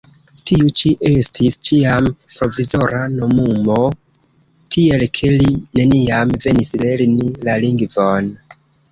Tiu ĉi estis ĉiam "provizora" nomumo, tiel ke li neniam venis lerni la lingvon.